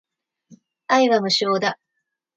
愛は無償だ